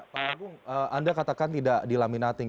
pak agung anda katakan tidak dilaminating